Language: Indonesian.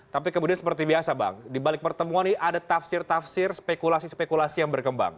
tapi kemudian seperti biasa bang dibalik pertemuan ini ada tafsir tafsir spekulasi spekulasi yang berkembang